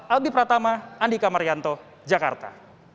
albi pratama andika marianto jakarta